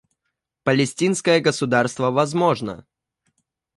Палестинское государство возможно.